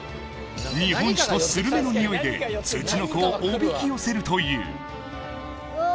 日本酒とスルメの匂いでツチノコをおびき寄せるといううわ